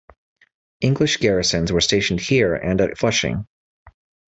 English garrisons were stationed here and at Flushing.